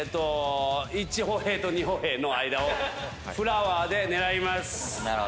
１ホヘイと２ホヘイの間をフラワーで狙います。